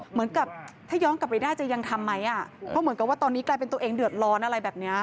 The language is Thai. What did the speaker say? เหมือนกับถ้าย้อนกลับไปได้จะยังทำไหมอ่ะเพราะเหมือนกับว่าตอนนี้กลายเป็นตัวเองเดือดร้อนอะไรแบบเนี้ย